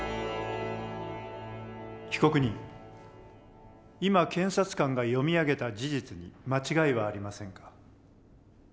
被告人今検察官が読み上げた事実に間違いはありませんか？